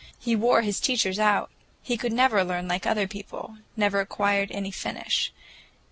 He wore his teachers out. He could never learn like other people, never acquired any finish.